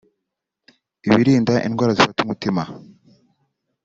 ibarinda indwara zifata umutima